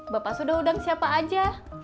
bapak sudah undang siapa aja